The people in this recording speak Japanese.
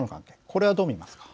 これはどう見ますか。